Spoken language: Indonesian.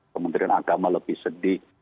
kementerian agama lebih sedih